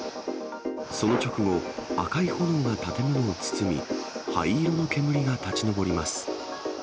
その直後、赤い炎が建物を包み、灰色の煙が立ち上ります。